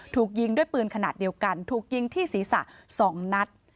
ถูกยิงด้วยปืนขนาดเดียวกันถูกยิงที่ศีรษะ๒นัด